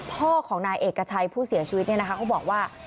พ่อของนายเอกชัยผู้เสียชีวิตเขาบอกว่า